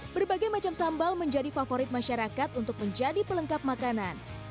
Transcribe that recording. berbagai macam sambal menjadi favorit masyarakat untuk menjadi pelengkap makanan